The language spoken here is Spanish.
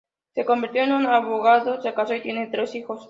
Se convirtió en un abogado, se casó y tiene tres hijos.